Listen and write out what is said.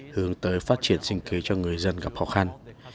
hướng tới phát triển sinh kế cho người dân gặp khó khăn